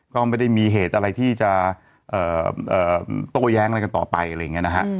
ก็ไม่ได้มีเหตุอะไรที่จะโต้แย้งอะไรกันต่อไปอะไรอย่างนี้นะฮะ